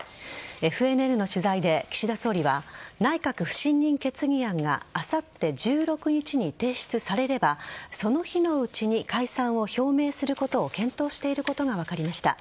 ＦＮＮの取材で、岸田総理は内閣不信任決議案があさって１６日に提出されればその日のうちに解散を表明することを検討していることが分かりました。